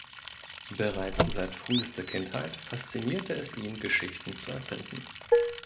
Bereits seit frühester Kindheit faszinierte es ihn Geschichten zu erfinden.